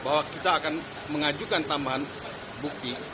bahwa kita akan mengajukan tambahan bukti